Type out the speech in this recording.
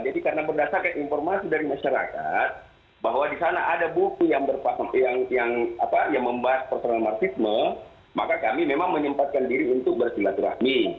jadi karena berdasarkan informasi dari masyarakat bahwa di sana ada buku yang membahas personal marxisme maka kami memang menyempatkan diri untuk bersilaturahmi